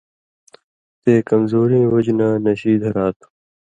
تے کمزوریں وجہۡ نہ نشِی دھرا تھو۔